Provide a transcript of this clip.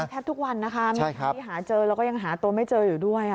แทบทุกวันนะคะมีใครที่หาเจอแล้วก็ยังหาตัวไม่เจออยู่ด้วย